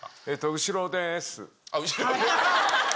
後ろでーす。